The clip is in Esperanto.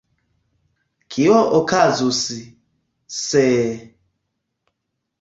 Kio okazus, se…